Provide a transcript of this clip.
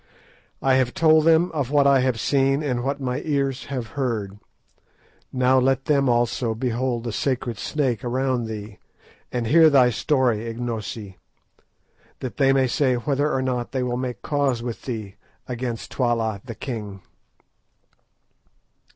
I have told them of what I have seen, and what my ears have heard. Now let them also behold the sacred snake around thee, and hear thy story, Ignosi, that they may say whether or no they will make cause with thee against Twala the king."